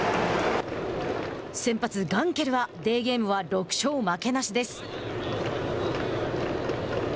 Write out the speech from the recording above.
先発ガンケルはデーゲームは６勝負けなしです。